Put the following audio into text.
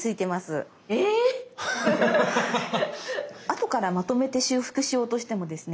⁉後からまとめて修復しようとしてもですね